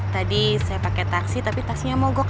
tadi saya pakai taksi tapi taksinya mogok